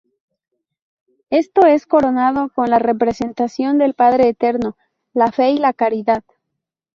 Esto es coronado con la representación del "Padre Eterno", la fe y la Caridad.